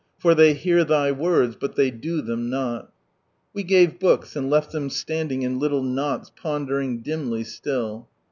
for ihey hear thy words, but they do them not," We gave books, and left them standing in little knots pondering dimly still.